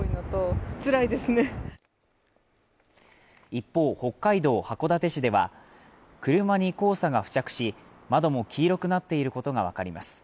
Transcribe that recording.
一方、北海道函館市では、車に黄砂が付着し、窓も黄色くなっていることがわかります。